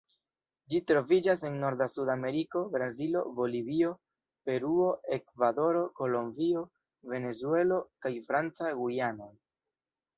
Ĝi troviĝas en norda Sudameriko: Brazilo, Bolivio, Peruo, Ekvadoro, Kolombio, Venezuelo, kaj Franca Gujano.